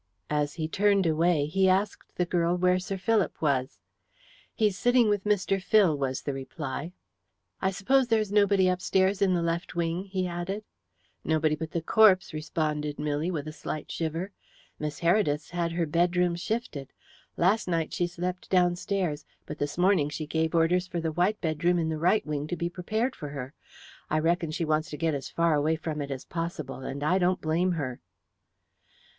As he turned away, he asked the girl where Sir Philip was. "He's sitting with Mr. Phil," was the reply. "I suppose there is nobody upstairs in the left wing?" he added. "Nobody but the corpse," responded Milly, with a slight shiver. "Miss Heredith's had her bedroom shifted. Last night she slept downstairs, but this morning she gave orders for the white bedroom in the right wing to be prepared for her. I reckon she wants to get as far away from it as possible, and I don't blame her."